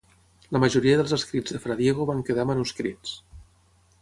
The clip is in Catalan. La majoria dels escrits de fra Diego van quedar manuscrits.